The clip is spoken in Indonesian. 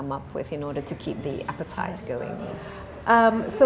menciptakan untuk memperbaiki kebukaan anda